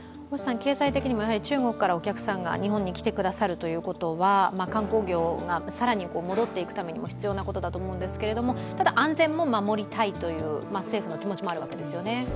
経済的にも中国からお客さんが日本に来てくださるということは観光業が更に戻っていくためにも必要なことだと思うんですけどただ安全も守りたいという政府の気持ちもあるわけですよね。